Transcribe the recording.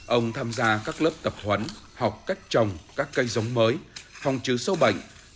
ông tham gia các lớp tập huấn học cách trồng các cây giống mới phòng trừ sâu bệnh